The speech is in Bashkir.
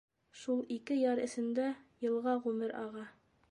Шул ике яр эсендә йылға-ғүмер аға.